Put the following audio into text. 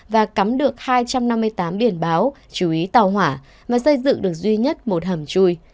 và cắm được hai trăm năm mươi tám biển báo chú ý tàu hỏa và xây dựng được duy nhất một hầm chui